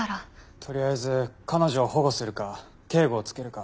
とりあえず彼女を保護するか警護を付けるか。